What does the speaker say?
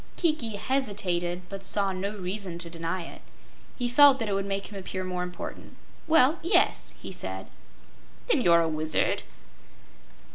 Kiki hesitated, but saw no reason to deny it. He felt that it would make him appear more important. "Well yes," he said. "Then you're a wizard?"